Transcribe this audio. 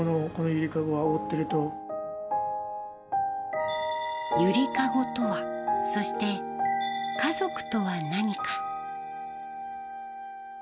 ゆりかごとは、そして、家族とは何か。